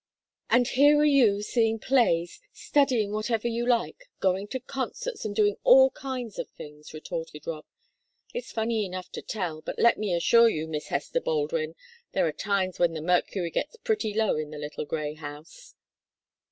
"And here are you seeing plays, studying whatever you like, going to concerts, and doing all kinds of things!" retorted Rob. "It's funny enough to tell, but let me assure you, Miss Hester Baldwin, there are times when the mercury gets pretty low in the little grey house."